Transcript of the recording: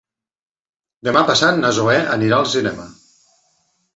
Demà passat na Zoè anirà al cinema.